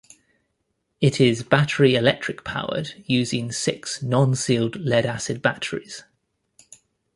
It is battery electric powered, using six non-sealed lead-acid batteries.